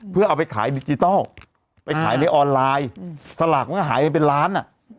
เพื่อเอาไปขายดิจิทัลไปขายในออนไลน์สลากมันก็หายไปเป็นล้านอ่ะ